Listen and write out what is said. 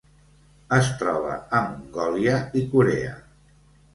Es troba a Mongòlia i Corea.